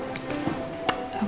aku juga mau pulang